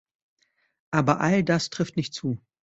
Aber all das trifft "nicht" zu.